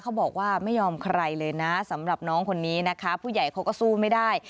เขาบอกว่าไม่ยอมใครเลยนะสำหรับน้องคนนี้นะคะผู้ใหญ่เขาก็สู้ไม่ได้